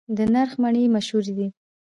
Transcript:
د نرخ مڼې مشهورې دي